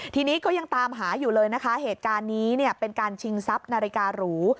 ทีนี้ก็ยังตามหาอยู่เลยนะคะเหตุการณ์นี้เนี่ยเป็นการชิงทรัพย์นาฬิการู